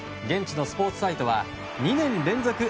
現地のスポーツサイトは２年連続